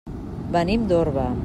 Venim d'Orba.